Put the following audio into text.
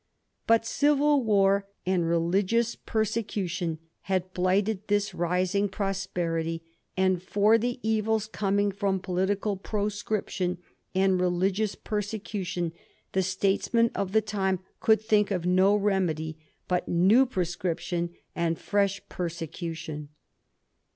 But civil war and re ligious persecution had blighted this rising prosperity, and for the evils coming from political proscription and religious persecution the statesmen of the time •could think of no remedy but new proscription and fresh persecution.